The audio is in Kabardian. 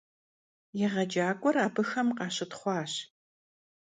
Yêğecak'uer abıxem khaşıtxhuaş.